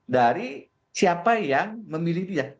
dari siapa yang memilih dia